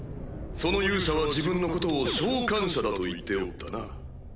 その勇者は自分のことを召喚者だと言っておったな。